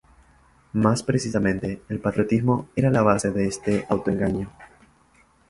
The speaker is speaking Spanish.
Más precisamente, el patriotismo era la base de este auto-engaño.